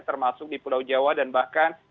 termasuk di pulau jawa dan bahkan